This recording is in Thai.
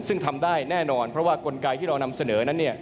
ซึ่งทำได้แน่นอนเพราะว่ากลไกที่เรานำเสนอนั้น